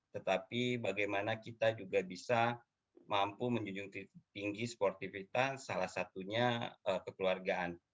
tetapi bagaimana kita juga bisa mampu menjunjung tinggi sportivitas salah satunya kekeluargaan